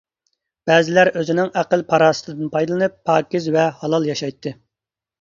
بەزىلەر ئۆزىنىڭ ئەقىل-پاراسىتىدىن پايدىلىنىپ پاكىز ۋە ھالال ياشايتتى.